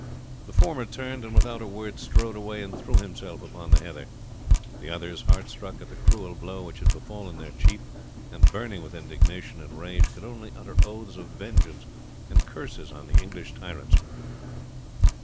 The former turned, and without a word strode away and threw himself upon the heather. The others, heart struck at the cruel blow which had befallen their chief, and burning with indignation and rage, could only utter oaths of vengeance and curses on the English tyrants.